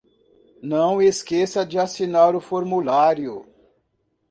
Não esqueça de assinar o formulário.